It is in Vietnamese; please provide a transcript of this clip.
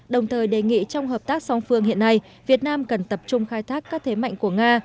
đồng thời đề nghị trong hợp tác song phương hiện nay việt nam cần tập trung khai thác các thế mạnh của nga